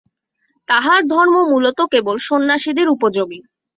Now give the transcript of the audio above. তাঁহার ধর্ম মূলত কেবল সন্ন্যাসীদের উপযোগী।